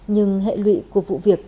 nhưng hệ lụy của vụ việc